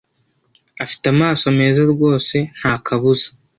afite amaso meza rwose ntakabuza